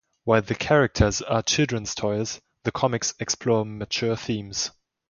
While the "characters" are children's toys, the comics explore mature themes.